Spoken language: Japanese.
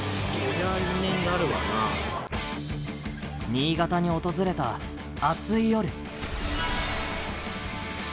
新潟に訪れた熱い夜。